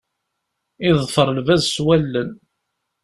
Yeḍfer lbaz s wallen.